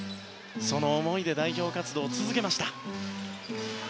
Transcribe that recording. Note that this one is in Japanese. その思いで代表活動を続けました。